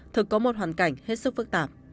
thực có một hoàn cảnh hết sức phức tạp